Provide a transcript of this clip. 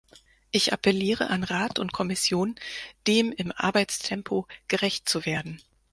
Ich appelliere an Rat und Kommission, dem im Arbeitstempo gerecht zu werden.